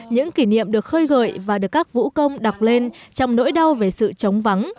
những kỷ niệm được khơi gợi và được các vũ công đọc lên trong nỗi đau về sự chống vắng